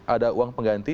ada uang pengganti